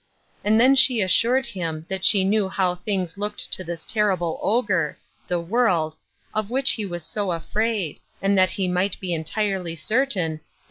And then she assured him that she knew how things looked to this terrible ogre, the world, of which he was so afraid, and that he might be entirely certain the 284 " O, MAMMA